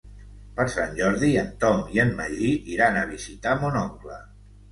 Per Sant Jordi en Tom i en Magí iran a visitar mon oncle.